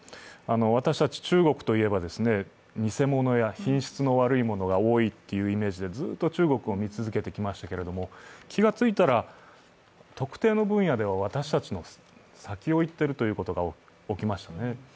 私たち、中国といえば偽物や品質の悪いものが多いというイメージでずっと中国を見続けてきましたけれども、気がついたら特定の分野では私たちの先をいっているということが起きましたね。